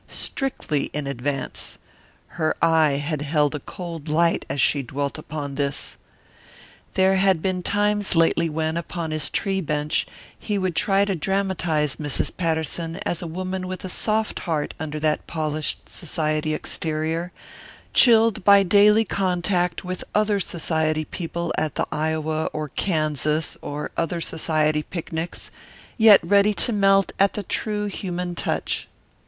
Strictly in advance. Her eye had held a cold light as she dwelt upon this. There had been times lately when, upon his tree bench, he would try to dramatize Mrs. Patterson as a woman with a soft heart under that polished society exterior, chilled by daily contact with other society people at the Iowa or Kansas or other society picnics, yet ready to melt at the true human touch.